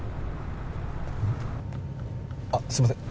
あっすいません。